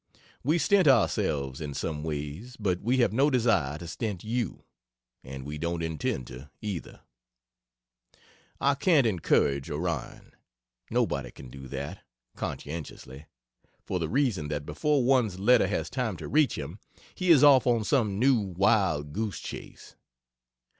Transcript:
We stint ourselves in some ways, but we have no desire to stint you. And we don't intend to, either. I can't "encourage" Orion. Nobody can do that, conscientiously, for the reason that before one's letter has time to reach him he is off on some new wild goose chase.